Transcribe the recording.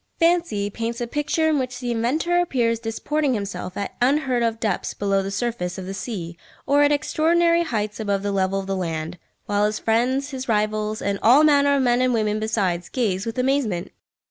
Fancy paints a picture in which the inventor appears disporting himself at unheard of depths below the surface of the sea or at extraordinary heights above the level of the land, while his friends, his rivals, and all manner of men and women besides, gaze with amazement!